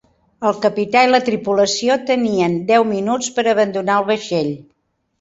El capità i la tripulació tenien deu minuts per abandonar el vaixell.